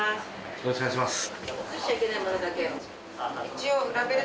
よろしくお願いします